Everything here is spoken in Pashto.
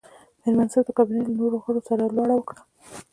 مېرمن منصف د کابینې له نورو غړو سره لوړه وکړه.